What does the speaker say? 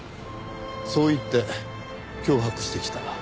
そう言って脅迫してきた。